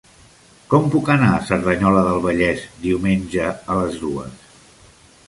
Com puc anar a Cerdanyola del Vallès diumenge a les dues?